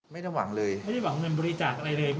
ไม่ได้หวังเลยไม่ได้หวังเงินบริจาคอะไรเลย